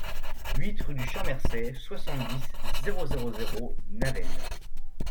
huit rue du Champ Mercey, soixante-dix, zéro zéro zéro, Navenne